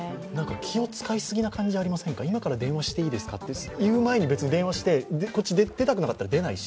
気を遣いすぎな感じありませんか、今から電話していいですかっていう前に別に電話して、こっちは出たくなければ出ないし。